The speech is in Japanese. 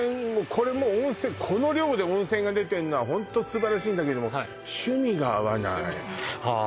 これも温泉この量で温泉が出てるのはホント素晴らしいんだけども趣味が合わないあ